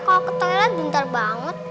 kalau ke toilet pintar banget